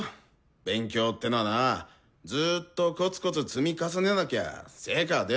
勉強ってのはなぁずっとコツコツ積み重ねなきゃ成果は出ないんだぞ。